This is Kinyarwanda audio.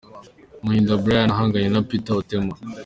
Muhinda Bryan ahanganye na Peter Otema.